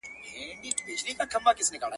o عمر د سپي راباندي تېر سو، حساب د سړي راسره کوي!